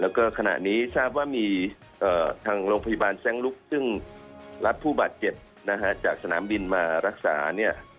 แล้วก็ขณะนี้ทราบว่ามีทางโรงพยาบาลแซงลุกซึ่งรับผู้บาดเจ็บนะฮะจากสนามบินมารักษาเนี่ย